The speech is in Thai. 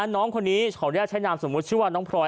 น้องคนนี้ขออนุญาตใช้นามสมมุติชื่อว่าน้องพลอย